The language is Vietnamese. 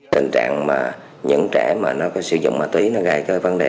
tình trạng mà những trẻ mà nó có sử dụng mạ tí nó gây vấn đề